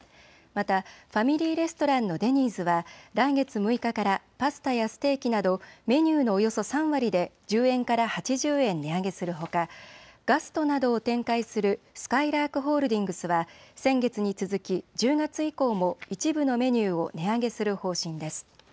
またファミリーレストランのデニーズは来月６日からパスタやステーキなどメニューのおよそ３割で１０円から８０円値上げするほかガストなどを展開するすかいらーくホールディングスは先月に続き１０月以降も一部のメニューを値上げする方針です。